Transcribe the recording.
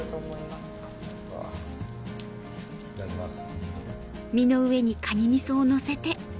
いただきます。